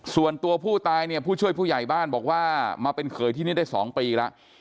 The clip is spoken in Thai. ส่วนตัวผู้ตายเนี่ยผู้ช่วยผู้ใหญ่บ้านบอกว่ามาเป็นเขยที่นี่ได้๒ปีแล้ว